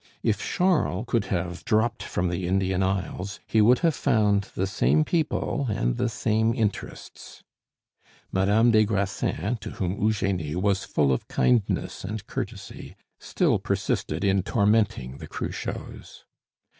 If Charles could have dropped from the Indian Isles, he would have found the same people and the same interests. Madame des Grassins, to whom Eugenie was full of kindness and courtesy, still persisted in tormenting the Cruchots.